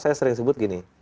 saya sering sebut gini